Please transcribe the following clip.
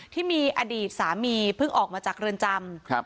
ที่มีอดีตสามีเพิ่งออกมาจากเรือนจำ